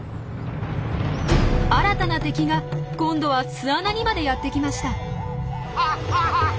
新たな敵が今度は巣穴にまでやって来ました。